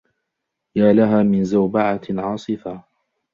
يا لها من زوبعة عاصفة!